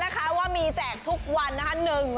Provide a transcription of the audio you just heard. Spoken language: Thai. แน่นอนว่ามีแจกทุกวันนะคะ